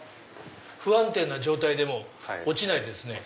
不安定な状態でも落ちないですね。